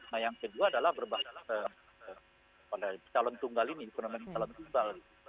nah yang kedua adalah berbasis pada calon tunggal ini ekonomi calon tunggal